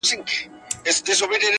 او هغه څه کوي چې دده ارزو